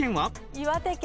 岩手県。